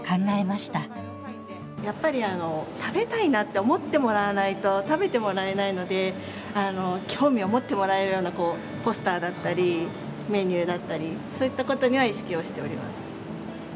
やっぱり食べたいなって思ってもらわないと食べてもらえないので興味を持ってもらえるようなポスターだったりメニューだったりそういったことには意識をしております。